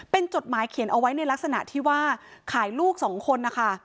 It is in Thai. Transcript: เป็นจดหมายเขียนเอาไว้ในลักษณะที่ว่าขายลูกสองคนนะคะ